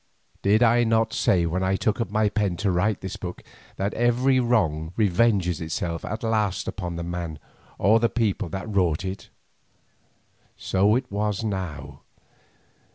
Did I not say when I took up my pen to write this book that every wrong revenges itself at last upon the man or the people that wrought it? So it was now.